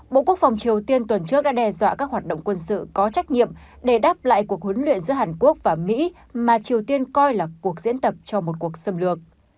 bộ quốc phòng triều tiên tuần trước đã đe dọa các hoạt động quân sự có trách nhiệm để đáp lại cuộc huấn luyện giữa hàn quốc và mỹ mà triều tiên coi là cuộc diễn tập cho một cuộc xâm lược